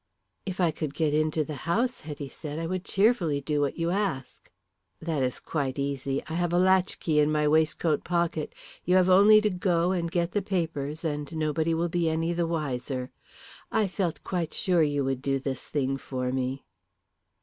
"If I could get into the house," Hetty said, "I would cheerfully do what you ask." "That is quite easy. I have a latchkey in my waistcoat pocket. You have only to go and get the papers, and nobody will be any the wiser. I felt quite sure you would do this thing for me."